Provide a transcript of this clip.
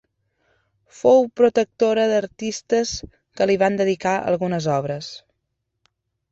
Fou protectora d'artistes que li van dedicar algunes obres.